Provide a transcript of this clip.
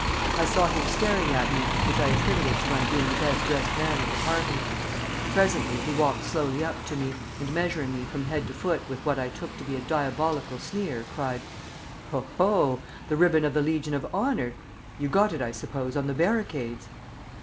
I saw him staring at me, which I attributed to my being the best dressed man of the party. Presently he walked slowly up to me, and measuring me from head to foot with what I took to be a diabolical sneer, cried, 'Ho! Ho! the ribbon of the Legion of Honor! You got it, I suppose, on the barricades!'